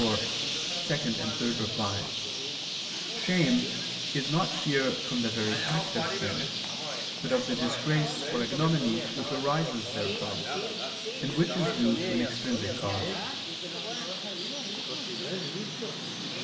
4, ad 2, 3), shame is not fear of the very act of sin, but of the disgrace or ignominy which arises therefrom, and which is due to an extrinsic cause.